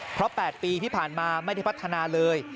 เพราะ๘ปีที่ผ่านมาไม่ได้พัฒนาเลย